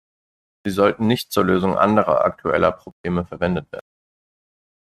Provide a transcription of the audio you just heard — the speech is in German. Sie sollten nicht zur Lösung anderer aktueller Probleme verwendet werden.